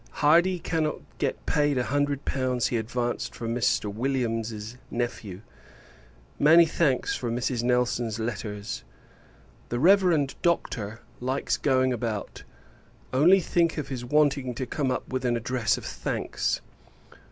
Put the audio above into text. Hardy cannot get paid a hundred pounds he advanced for Mr. Williams's nephew. Many thanks for Mrs. Nelson's letters. The Reverend Doctor likes going about. Only think of his wanting to come up with an address of thanks!